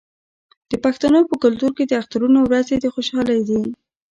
د پښتنو په کلتور کې د اخترونو ورځې د خوشحالۍ دي.